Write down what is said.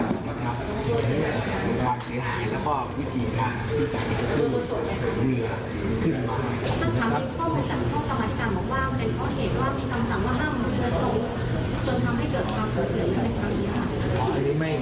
ข้อเทคนจริงเท่านั้นนะครับความเห็นนะครับเหมือนกับข้อที่เห็นต่างเนี่ย